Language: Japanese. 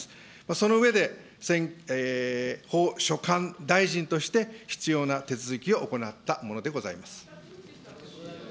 その上で、法所管大臣として、必要な手続きを行ったものでございます。